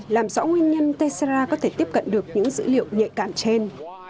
làm rõ nguyên nhân tera có thể tiếp cận được những dữ liệu nhạy cảm trên